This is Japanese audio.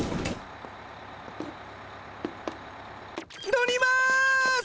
乗ります！